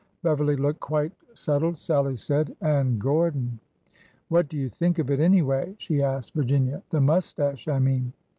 Beverly looked quite set tled, Sallie said. And Gordon ! "What do you think of it, anyway ?'' she asked Vir^ ginia. " The mustache, I mean.'